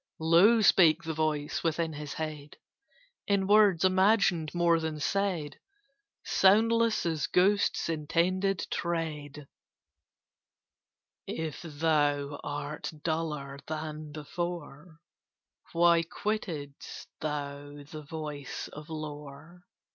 Low spake the voice within his head, In words imagined more than said, Soundless as ghost's intended tread: "If thou art duller than before, Why quittedst thou the voice of lore?